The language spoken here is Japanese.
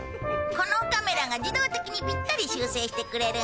このカメラが自動的にピッタリ修正してくれるんだ。